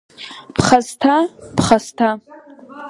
Ԥхасҭа, ԥхасҭа!